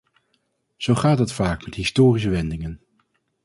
Zo gaat dat vaak met historische wendingen.